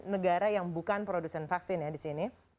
negara yang bukan produsen vaksin ya di sini